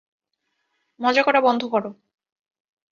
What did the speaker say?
মজা করা বন্ধ কর।